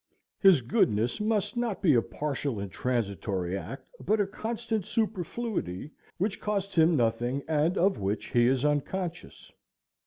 His goodness must not be a partial and transitory act, but a constant superfluity, which costs him nothing and of which he is unconscious.